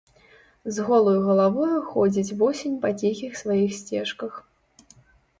З голаю галавою ходзіць восень па ціхіх сваіх сцежках.